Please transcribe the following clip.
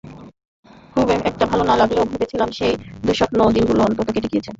খুব একটা ভালো না লাগলেও ভেবেছিলাম সেই দুঃস্বপ্নময় দিনগুলো অন্তত কেটে গিয়েছে।